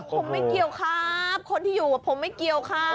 ผมไม่เกี่ยวครับคนที่อยู่ผมไม่เกี่ยวครับ